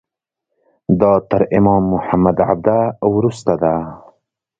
دا تر امام محمد عبده وروسته ده.